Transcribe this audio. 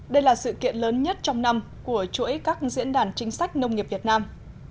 đây là sự kiện lớn nhất trong năm của chuỗi các diễn đàn chính sách nông nghiệp việt nam